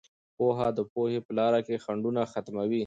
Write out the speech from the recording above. پوهه د پوهې په لاره کې خنډونه ختموي.